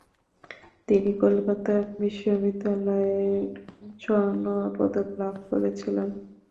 তিনি কলকাতা বিশ্ববিদ্যালয়ের স্বর্ণ পদক লাভ করেছিলেন।